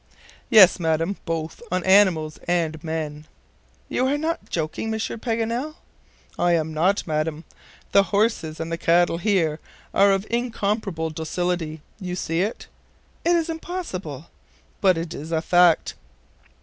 "Yes, Madam, both on animals and men." "You are not joking, Monsieur Paganel?" "I am not, Madam. The horses and the cattle here are of incomparable docility. You see it?" "It is impossible!" "But it is a fact.